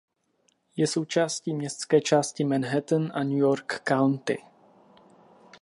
Je součástí městské části Manhattan a New York County.